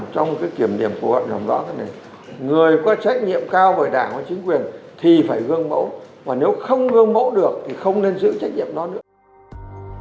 trong kiểm điểm của họ người có trách nhiệm cao với đảng và chính quyền thì phải gương mẫu nếu không gương mẫu được thì không nên giữ trách nhiệm đó nữa